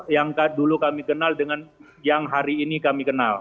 yang dulu kami kenal dengan yang hari ini kami kenal